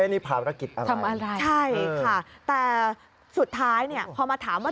นี่ภารกิจอะไรทำอะไรใช่ค่ะแต่สุดท้ายเนี่ยพอมาถามว่า